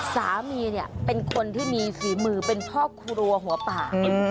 สามีเนี่ยเป็นคนที่มีฝีมือเป็นพ่อครัวหัวป่า